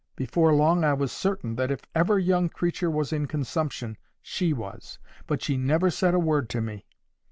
Before long I was certain that if ever young creature was in a consumption, she was; but she never said a word to me.